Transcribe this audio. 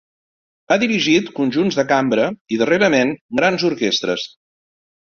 Ha dirigit conjunts de cambra i, darrerament, grans orquestres.